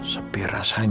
gua baixo kan